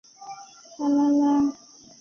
但是对外必须保密。